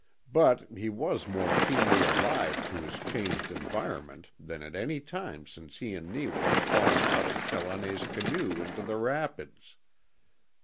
But he was more keenly alive to his changed environment than at any time since he and Neewa had fallen out of Challoner's canoe into the rapids.